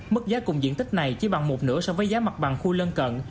mức giá cùng diện tích này chỉ bằng một nửa so với giá mặt bằng khu lân cận